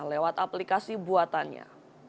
lewat aplikasi buatannya